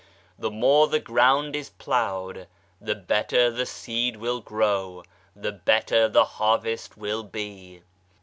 The more the ground is ploughed the better the seed will grow, the better the harvest will be.